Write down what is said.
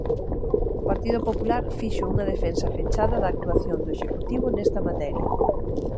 O Partido Popular fixo unha defensa fechada da actuación do Executivo nesta materia.